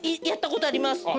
やったことあります。